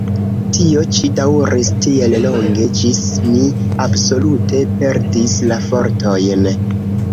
Tio ĉi daŭris tiel longe, ĝis mi absolute perdis la fortojn.